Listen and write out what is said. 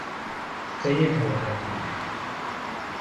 بەیەکەوە ھاتین.